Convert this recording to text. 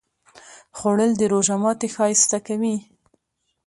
خوړل د روژه ماتی ښایسته کوي